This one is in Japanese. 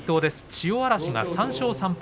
千代嵐が３勝３敗。